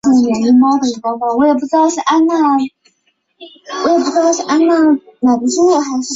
天显年间去世。